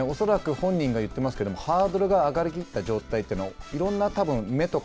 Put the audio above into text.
恐らく本人が言っていますけれどもハードルが上がりきった状態というのいろんな多分、目とか